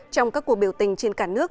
trong các cuộc biểu tình trên cả nước